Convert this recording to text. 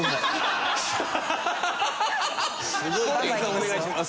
お願いします。